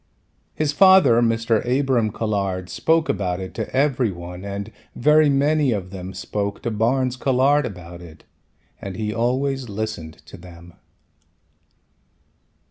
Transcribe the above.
His father Mr. Abram Colhard spoke about it to every one and very many of them spoke to Barnes Colhard about it and he always listened to them.